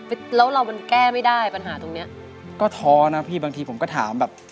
แล้วเรามันแก้ไม่ได้ปัญหาตรงเนี้ยก็ท้อนะพี่บางทีผมก็ถามแบบ